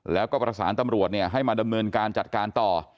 แล้วก็ประสานตำรวจให้มาดำเนินการจัดการต่อ